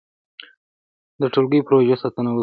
د ټولګټو پروژو ساتنه وکړئ.